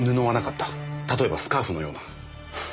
たとえばスカーフのような。